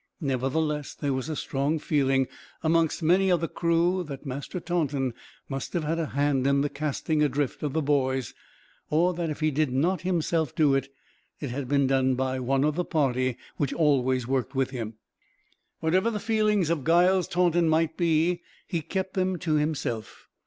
Nevertheless there was a strong feeling, amongst many of the crew, that Master Taunton must have had a hand in the casting adrift of the boys; or that if he did not himself do it, it had been done by one of the party who always worked with him. Whatever the feelings of Giles Taunton might be, he kept them to himself.